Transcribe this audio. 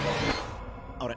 あれ？